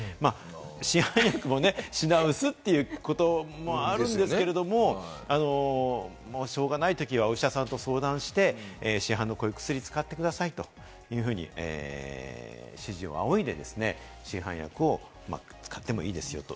市販薬も品薄ということもあるんですけれども、しょうがないときはお医者さんと相談して、市販の薬を使ってくださいというふうに指示を仰いで、市販薬を使ってもいいですよと。